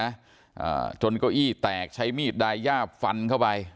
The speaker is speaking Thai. อ่าจนเก้าอี้แตกใช้มีดดายยาบฟันเข้าไป